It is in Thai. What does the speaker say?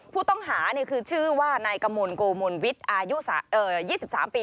ผู้ต้องหานี่คือชื่อว่านายกมนต์โกมนต์วิทยุ๒๓ปี